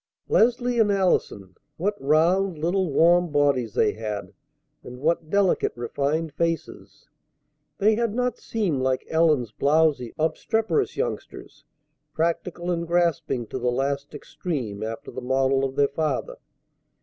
Leslie and Allison! What round little warm bodies they had, and what delicate, refined faces! They had not seemed like Ellen's blowsy, obstreperous youngsters, practical and grasping to the last extreme after the model of their father.